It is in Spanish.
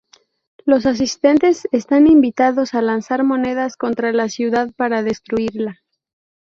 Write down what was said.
Los asistentes están invitados a lanzar monedas contra la ciudad, para destruirla.